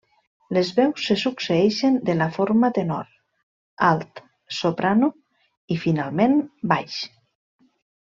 Les veus se succeeixen de la forma tenor, alt, soprano, i finalment, baix.